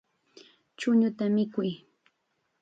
Chuñuta mikuy.